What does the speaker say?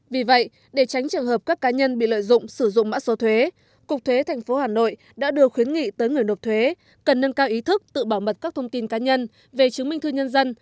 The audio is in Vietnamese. vì vậy để tránh trường hợp các cá nhân bị lợi dụng sử dụng mã số thuế cục thuế tp hà nội đã đưa khuyến nghị tới người nộp thuế cần nâng cao ý thức tự bảo mật các thông tin cá nhân về chứng minh thư nhân dân